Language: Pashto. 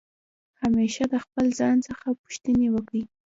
همېشه د خپل ځان څخه پوښتني وکئ!